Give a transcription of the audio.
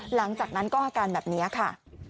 หลังจากนั้นก็อาการแบบนี้ค่ะ